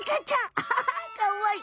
アハハかわいい。